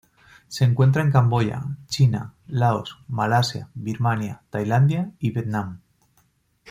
Se encuentra en Camboya, China, Laos, Malasia, Birmania, Tailandia y Vietnam.